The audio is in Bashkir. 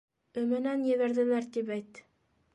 Өмәнән ебәрҙеләр тип әйт.